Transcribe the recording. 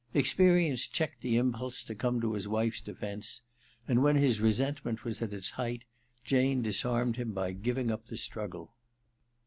Experience checked the impulse to come to his wife's defence ; and when his resentment was at its height, Jane disarmed him by giving up the struggle.